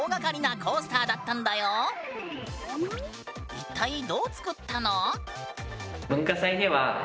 一体どう作ったの？